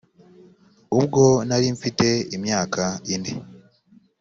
ubwo nari mfite imyaka ine